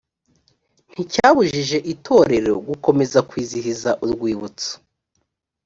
nticyabujije itorero gukomeza kwizihiza urwibutso